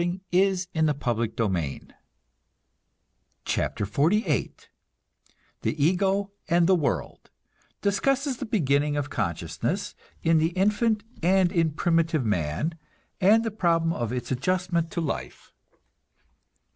PART FOUR THE BOOK OF SOCIETY CHAPTER XLVIII THE EGO AND THE WORLD (Discusses the beginning of consciousness, in the infant and in primitive man, and the problem of its adjustment to life.)